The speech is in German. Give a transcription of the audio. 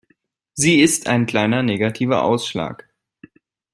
Sie ist ein kleiner negativer Ausschlag.